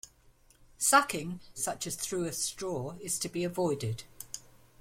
Sucking, such as through a straw, is to be avoided.